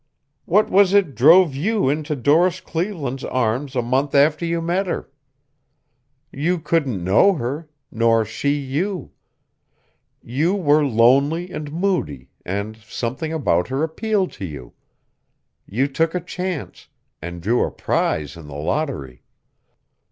What was it drove you into Doris Cleveland's arms a month after you met her? You couldn't know her nor she you. You were lonely and moody, and something about her appealed to you. You took a chance and drew a prize in the lottery.